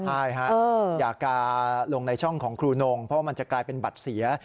ใช่ฮะอย่ากาลงในช่องของครูนงเพราะมันจะกลายเป็นบัตรเสีย